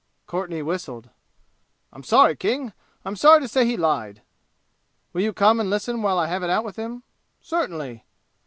Courtenay whistled. "I'm sorry, King. I'm sorry to say he lied." "Will you come and listen while I have it out with him?" "Certainly."